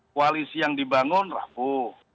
koalisi yang dibangun rapuh